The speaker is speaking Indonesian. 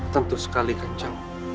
tentu sekali kanca